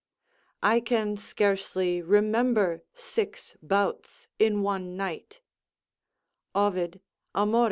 ["I can scarcely remember six bouts in one night" Ovid, Amor.